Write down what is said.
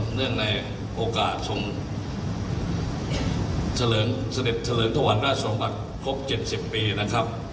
เนื่องในโอกาสทรงเฉลิดเฉลิมพระวรรณราชสมบัติครบ๗๐ปีนะครับ